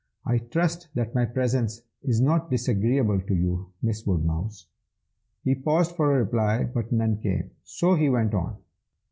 I trust that my presence is not disagreeable to you, Miss Woodmouse?' He paused for a reply, but none came, so he went on.